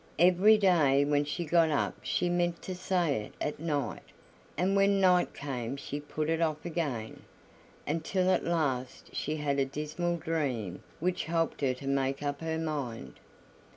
Every day when she got up she meant to say it at night, and when night came she put it off again, until at last she had a dismal dream which helped her to make up her mind.